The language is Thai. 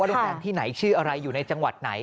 โรงแรมที่ไหนชื่ออะไรอยู่ในจังหวัดไหน